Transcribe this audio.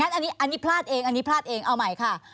งั้นอันนี้พลาดเองทุกเอาใหม่ค่ะ